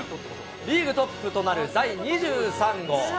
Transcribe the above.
リーグトップとなる第２３号。